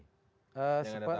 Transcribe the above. yang anda tahu